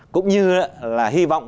cũng như là hy vọng